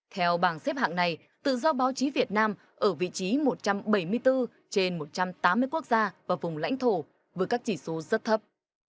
theo bảng xếp hạng này tự do báo chí việt nam ở vị trí một trăm bảy mươi bốn trên một trăm tám mươi quốc gia và vùng lãnh thổ với các chỉ số rất thấp